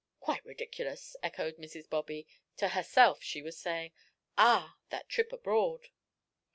"Quite ridiculous," echoed Mrs. Bobby. To herself she was saying, "Ah, that trip abroad!"